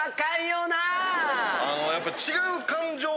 やっぱ。